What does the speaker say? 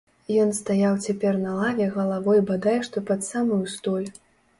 Ён стаяў цяпер на лаве галавой бадай што пад самую столь.